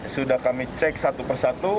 sudah kami cek satu persatu